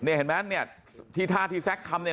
นี่เห็นไหมที่ท่าที่แซคคำเนี่ย